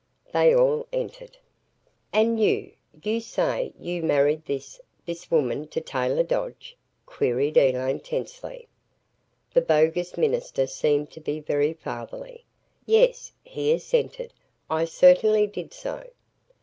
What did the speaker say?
They all entered. "And you you say you married this this woman to Taylor Dodge?" queried Elaine, tensely. The bogus minister seemed to be very fatherly. "Yes," he assented, "I certainly did so."